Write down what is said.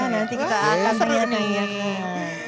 nanti kita akan lihat nih